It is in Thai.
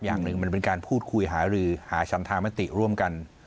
อย่างหนึ่งมันเป็นการพูดคุยหารือหาชันธามติร่วมกัน